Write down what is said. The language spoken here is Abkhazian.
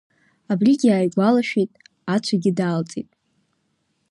Абригьы ааигәалашәеит, ацәагьы даалҵит.